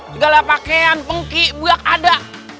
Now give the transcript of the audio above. segala pakaian pengki buyak ada